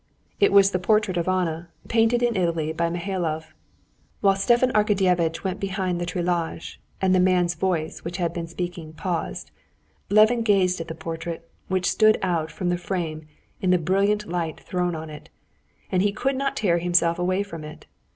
It was the portrait of Anna, painted in Italy by Mihailov. While Stepan Arkadyevitch went behind the treillage, and the man's voice which had been speaking paused, Levin gazed at the portrait, which stood out from the frame in the brilliant light thrown on it, and he could not tear himself away from it.